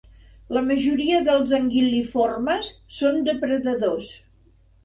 La majoria dels anguil·liformes són depredadors.